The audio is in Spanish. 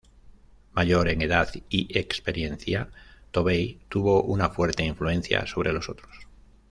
Mayor en edad y experiencia, Tobey tuvo una fuerte influencia sobre los otros.